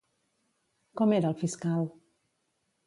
Com era el fiscal?